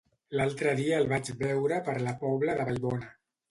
L'altre dia el vaig veure per la Pobla de Vallbona.